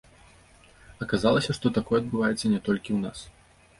Аказалася, што такое адбываецца не толькі ў нас.